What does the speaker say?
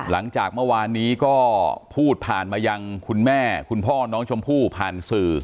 หลังจากเมื่อวานนี้ก็พูดผ่านมายังคุณแม่คุณพ่อน้องชมพู่ผ่านสื่อ